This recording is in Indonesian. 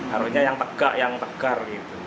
harusnya yang tegak yang tegar